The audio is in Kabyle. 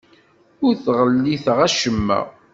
Ur ttɣelliteɣ acemma.